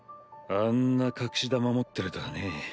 あんな隠し玉持ってるとはね。